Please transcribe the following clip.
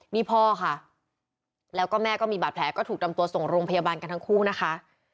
นี่พ่อค่ะแล้วก็แม่ก็มีบาดแผลก็ถูกนำตัวส่งโรงพยาบาลกันทั้งคู่นะคะ